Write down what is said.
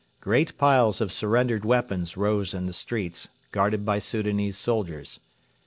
Great piles of surrendered weapons rose in the streets, guarded by Soudanese soldiers.